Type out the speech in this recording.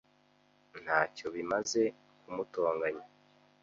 Ntacyo bimaze kumutonganya.